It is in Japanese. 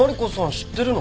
知ってるの？